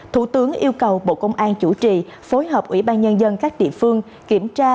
thủ tướng yêu cầu bộ công an chủ trì phối hợp ủy ban nhân dân các địa phương kiểm tra